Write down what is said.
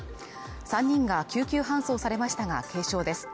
３人が救急搬送されましたが軽症です。